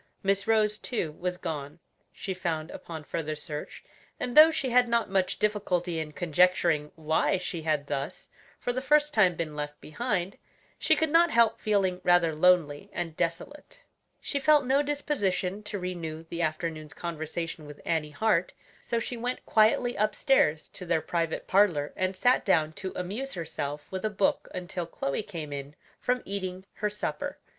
Miss Rose, too, was gone, she found upon further search, and though she had not much difficulty in conjecturing why she had thus, for the first time, been left behind, she could not help feeling rather lonely and desolate. She felt no disposition to renew the afternoon's conversation with Annie Hart, so she went quietly upstairs to their private parlor and sat down to amuse herself with a book until Chloe came in from eating her supper.